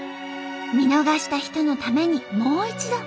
見逃した人のためにもう一度。